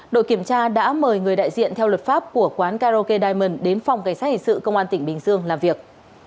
đội kiểm tra đã mời người đại diện theo luật pháp của quán karaoke diamond đến phòng cảnh sát hình sự công an tỉnh bình dương làm việc